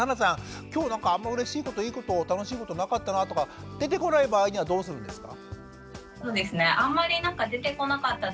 今日なんかあんまりうれしいこといいこと楽しいことなかったなとかでてこない場合にはどうするんですか？